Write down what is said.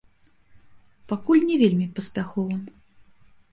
Пакуль не вельмі паспяхова.